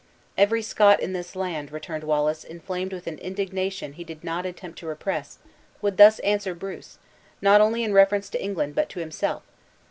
"Every Scot in this land," returned Wallace, inflamed with an indignation he did not attempt to repress, "would thus answer Bruce, not only in reference to England, but to himself!